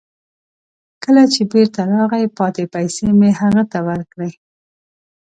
کله چې بیرته راغی، پاتې پیسې مې هغه ته ورکړې.